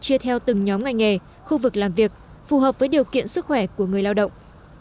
chia theo từng nhóm ngành nghề khu vực làm việc phù hợp với điều kiện sức khỏe của người lao động